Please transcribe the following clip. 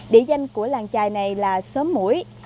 địa danh của làng trài này là sớm mũi